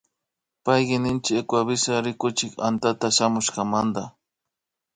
Payki ninchi Ecuavisa rikuchik antata shamuymanta